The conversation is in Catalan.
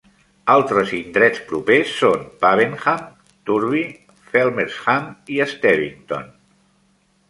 Altres indrets propers són Pavenham, Turvey, Felmersham i Stevington.